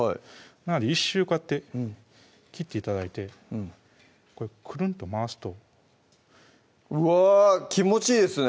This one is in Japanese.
なので１周こうやって切って頂いてこれクルンと回すとうわ気持ちいいですね